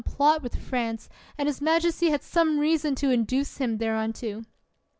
34 RALEIGH with France, and his majesty had some reason to induce him thereunto.